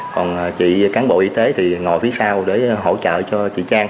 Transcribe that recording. còn chị cán bộ y tế thì ngồi phía sau để hỗ trợ cho chị trang